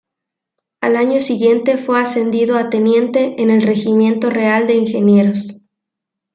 Al año siguiente fue ascendido a teniente en el Regimiento Real de Ingenieros.